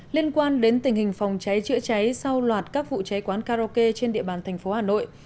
liên quan đến tình hình phòng cháy chữa cháy sau loạt các vụ cháy quán karaoke trên địa bàn thành phố hà nội